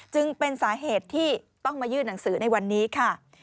จึงเป็นสาเหตุที่ต้องมายื่นหนังสือในวันนี้ค่ะ